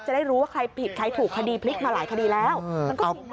จะได้รู้ว่าใครผิดใครถูกคดีพลิกมาหลายคดีแล้ว